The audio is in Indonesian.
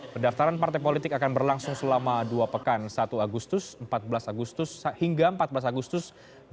pendaftaran partai politik akan berlangsung selama dua pekan satu agustus empat belas agustus hingga empat belas agustus dua ribu dua puluh